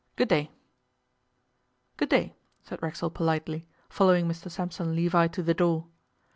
Good day.' 'Good day,' said Racksole politely, following Mr Sampson Levi to the door.